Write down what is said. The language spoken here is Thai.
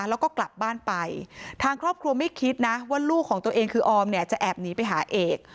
แล้วก็กลับบ้านไปทางครอบครัวไม่คิดนะว่าลูกของตัวเองคือออมเนี่ยจะแอบหนีไปหาเอก